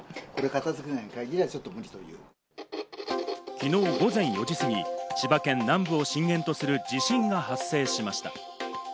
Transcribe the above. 昨日午前４時すぎ、千葉県南部を震源とする地震が発生しました。